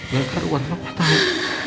lekar waduh apa tau